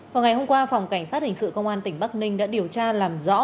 vào ngày hôm qua phòng cảnh sát hình sự công an tỉnh bắc ninh đã điều tra làm rõ